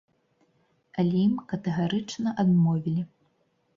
Але ім катэгарычна адмовілі.